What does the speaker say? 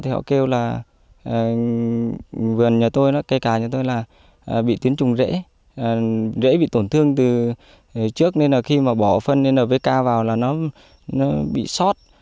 họ kêu là vườn nhà tôi cây cà nhà tôi là bị tiến trùng rễ rễ bị tổn thương từ trước nên khi mà bỏ phân npk vào là nó bị sót